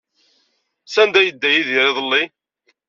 Sanda ay yedda Yidir iḍelli?